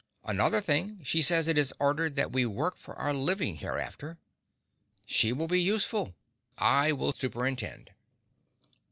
Another thing, she says it is ordered that we work for our living hereafter. She will be useful. I will superintend.